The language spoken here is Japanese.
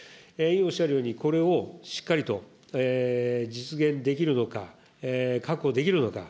おっしゃるようにしっかりと実現できるのか、確保できるのか、